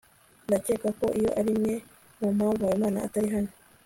ndakeka ko iyo ari imwe mu mpamvu habimana atari hano